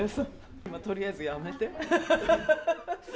とりあえずやめて。